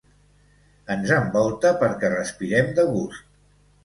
Ens envolta perquè respirem de gust.